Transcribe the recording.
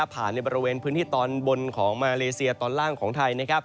ในบริเวณพื้นที่ตอนบนของมาเลเซียตอนล่างของไทย